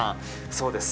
そうです